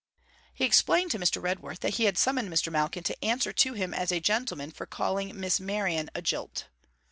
He explained to Mr. Redworth that he had summoned Mr. Malkin to answer to him as a gentleman for calling Miss Merion a jilt.